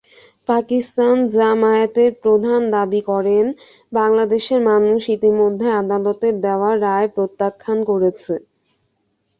পাকিস্তান জামায়াতের প্রধান দাবি করেন, বাংলাদেশের মানুষ ইতিমধ্যে আদালতের দেওয়া রায় প্রত্যাখ্যান করেছে।